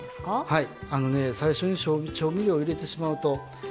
はい。